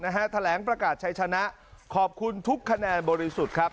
แสวงกองครับแผงประกาศชายชนะขอบคุณทุกคาแนนบริสุทธิ์ครับ